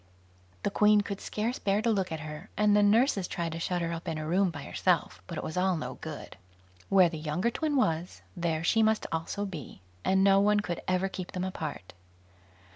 The Queen could scarce bear to look at her, and the nurses tried to shut her up in a room by herself, but it was all no good; where the younger twin was, there she must also be, and no one could ever keep them apart.